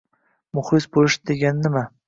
— Muxlis bo‘lish degani nima?